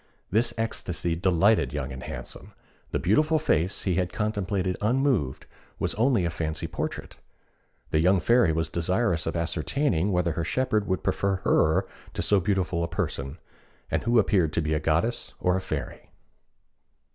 This ecstasy delighted Young and Handsome. The beautiful face he had contemplated unmoved was only a fancy portrait. The young Fairy was desirous of ascertaining whether her shepherd would prefer her to so beautiful a person, and who appeared to be a goddess or a fairy.